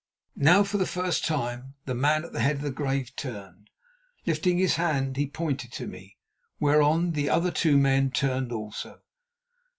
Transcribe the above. Now for the first time the man at the head of the grave turned. Lifting his hand, he pointed to me, whereon the other two men turned also.